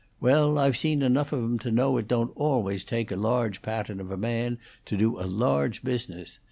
Well, I've seen enough of 'em to know it don't always take a large pattern of a man to do a large business.